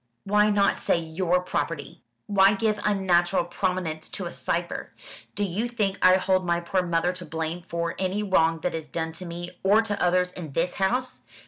"Why not say your property? Why give unnatural prominence to a cipher? Do you think I hold my poor mother to blame for any wrong that is done to me, or to others, in this house?